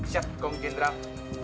siap komitmen terap